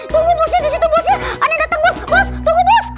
tunggu bosnya disitu bosnya ane dateng bos